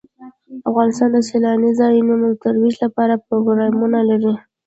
افغانستان د سیلاني ځایونو د ترویج لپاره پروګرامونه لري.